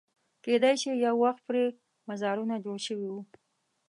کېدای شي یو وخت پرې مزارونه جوړ شوي وو.